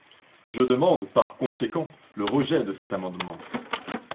Je demande par conséquent le rejet de cet amendement.